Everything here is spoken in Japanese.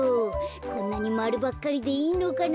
こんなにまるばっかりでいいのかな。